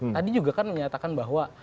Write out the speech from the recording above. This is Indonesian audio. tadi juga kan menyatakan bahwa